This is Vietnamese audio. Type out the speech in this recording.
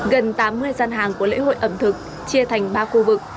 gần tám mươi gian hàng của lễ hội ẩm thực chia thành ba khu vực